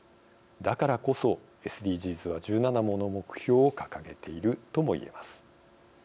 だからこそ、ＳＤＧｓは１７もの目標を掲げているとも言えます。